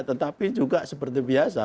tetapi juga seperti biasa